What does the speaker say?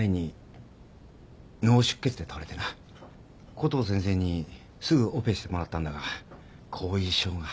コトー先生にすぐオペしてもらったんだが後遺症が。